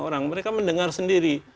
orang mereka mendengar sendiri